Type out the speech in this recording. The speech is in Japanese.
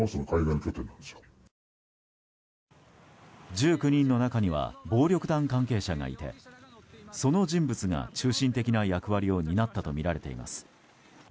１９人の中には暴力団関係者がいてその人物が中心的な役割を担ったとみられています。